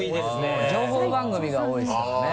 情報番組が多いですもんね。